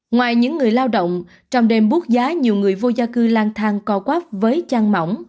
ngoài những người lao động trong đêm bút giá nhiều người vô gia cư lang thang co quát với trang mỏng